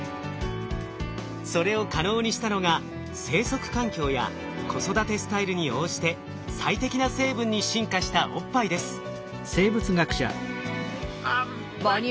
それを可能にしたのが生息環境や子育てスタイルに応じて最適な成分に進化したおっぱいです。